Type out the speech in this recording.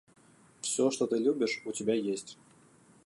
Всё, что ты любишь, у тебя есть.